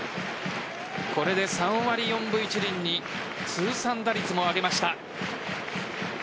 これで３割４分１厘に通算打率も上げました。